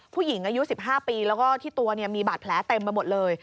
ผู้หญิงอายุ๑๕ปีแล้วก็ที่ตัวมีบาดแผลเต็มไปหมดเลย